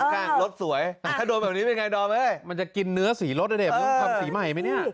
ควายังมีเม็ดตา